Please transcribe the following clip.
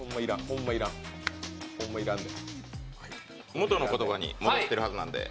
元の言葉に戻ってるはずなんで。